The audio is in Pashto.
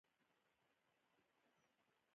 سیال صاحب ته یې ډېر احترام درلود